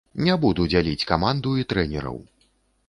Не буду дзяліць каманду і трэнераў.